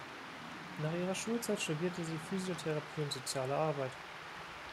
Nach ihrer Schulzeit studierte sie Physiotherapie und Soziale Arbeit.